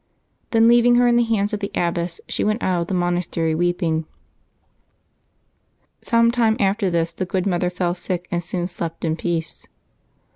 Then leaving her in the hands of the abbess, she went out of the monas tery weeping. Some time after this the good mother fell sick, and soon slept in peace.